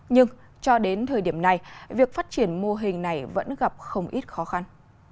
nhưng cho đến thời điểm này việc phát triển mô hình này vẫn gặp không ít khó khăn